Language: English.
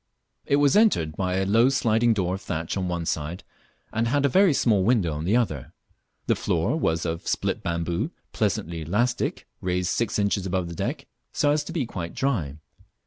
It was entered by a low sliding door of thatch on one side, and had a very small window on the other. The floor was of split bamboo, pleasantly elastic, raised six inches above the deck, so as to be quite dry.